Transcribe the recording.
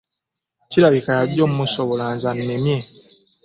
Kirabika y'ajja okumusobola nze annemye.